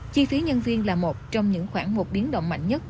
chi phí nhân viên là một trong những khoản mục biến động mạnh nhất